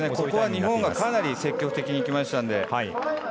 ここは日本がかなり積極的にいきましたので。